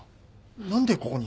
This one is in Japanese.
何でここに？